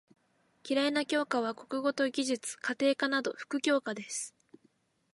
嫌いな教科は国語と技術・家庭科など副教科です。